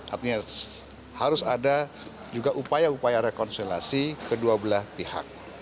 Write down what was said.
artinya harus ada juga upaya upaya rekonsilasi kedua belah pihak